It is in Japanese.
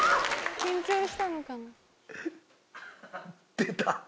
出た！